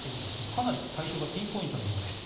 かなり対象がピンポイントのようです。